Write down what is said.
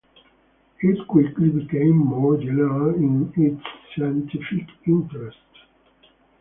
It quickly became more general in its scientific interests.